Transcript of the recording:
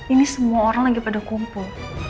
ini semua orang lagi pada kumpul